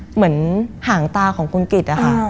อยู่ที่หางตาของคุณกริจอะค่ะ